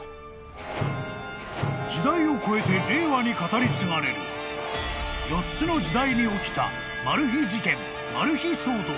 ［時代を超えて令和に語り継がれる４つの時代に起きたマル秘事件マル秘騒動］